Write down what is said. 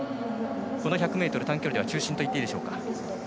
この１００ｍ短距離では中心と言っていいでしょうか。